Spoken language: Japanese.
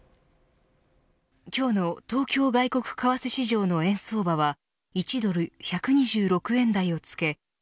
今日の東京外国為替市場の円相場は１ドル１２６円台をつけ